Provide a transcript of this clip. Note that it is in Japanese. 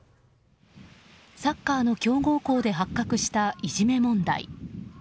サッカーの強豪校で発覚したいじめ問題。